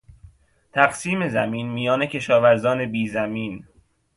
تقسیم زمین میان کشاورزان بیزمین